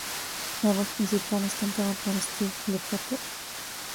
La voz principal es cantada por Steve Lukather.